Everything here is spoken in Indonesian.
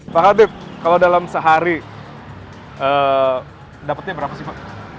pak hatip kalau dalam sehari dapetnya berapa sih pak